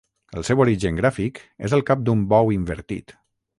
El seu origen gràfic és el cap d'un bou invertit.